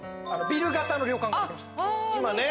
ビル型の旅館があるんで。